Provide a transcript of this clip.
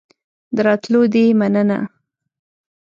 د راتلو دي مننه